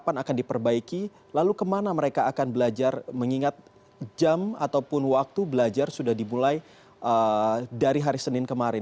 kapan akan diperbaiki lalu kemana mereka akan belajar mengingat jam ataupun waktu belajar sudah dimulai dari hari senin kemarin